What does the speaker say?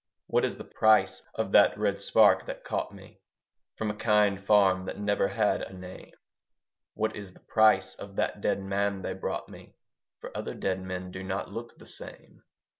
What is the price of that red spark that caught me From a kind farm that never had a name? What is the price of that dead man they brought me? For other dead men do not look the same.